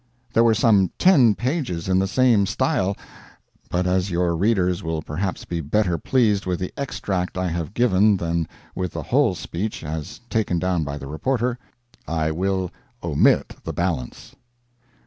There were some ten pages in the same style, but as your readers will perhaps be better pleased with the extract I have given than with the whole speech, as taken down by the reporter, I will omit the balance.